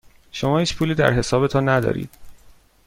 شما هیچ پولی در حسابتان ندارید.